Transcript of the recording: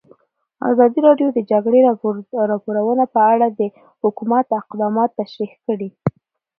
ازادي راډیو د د جګړې راپورونه په اړه د حکومت اقدامات تشریح کړي.